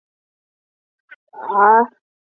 上关町是位于山口县东南部的一町。